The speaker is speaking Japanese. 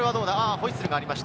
ホイッスルがありました。